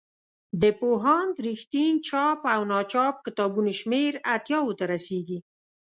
د پوهاند رښتین چاپ او ناچاپ کتابونو شمېر اتیاوو ته رسیږي.